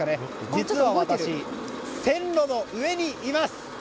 実は私、線路の上にいます。